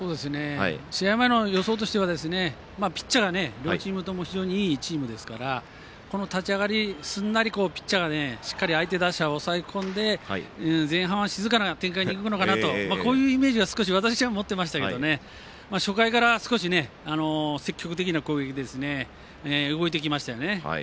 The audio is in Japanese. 試合前の予想としてはピッチャーが両チームとも非常にいいチームですからこの立ち上がりすんなりピッチャーがしっかり相手打者を抑え込んで前半は静かな展開でいくのかなというイメージを少し私は持ってましたが初回から積極的な攻撃で動いてきましたよね。